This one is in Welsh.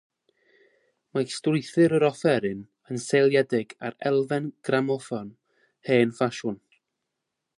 Mae strwythur yr offeryn yn seiliedig ar elfen gramoffon hen-ffasiwn.